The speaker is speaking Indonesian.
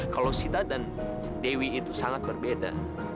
kalau sida dan dewi itu sangat berbeda